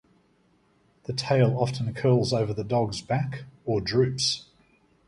The tail often curls over the dog's back or droops.